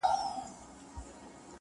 سړی وایې کورته غل نه دی راغلی،